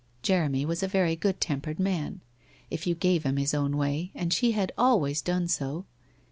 Jeremy was a very good tempered man, if you gave him his own way and she had always done so.